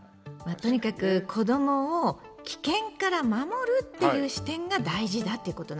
とにかく子どもを危険から守るっていう視点が大事だっていうことなんだよね。